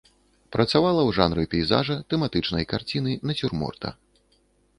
Працавала ў жанры пейзажа, тэматычнай карціны, нацюрморта.